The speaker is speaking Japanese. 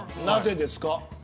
なぜですか。